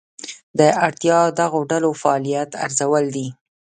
دا اړتیا د دغو ډلو فعالیت ارزول دي.